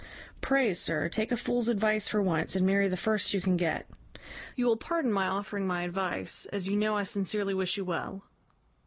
Pray, sir, take a fool's advice for once, and marry the first you can get. You will pardon my offering my advice, as you know I sincerely wish you well.